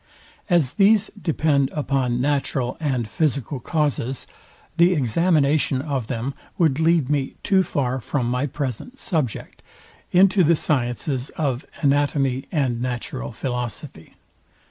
As these depend upon natural and physical causes, the examination of them would lead me too far from my present subject, into the sciences of anatomy and natural philosophy.